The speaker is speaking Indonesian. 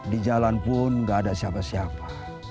di jalan pun gak ada siapa siapa